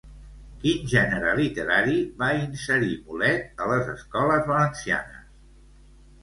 Quin gènere literari va inserir Mulet a les escoles valencianes?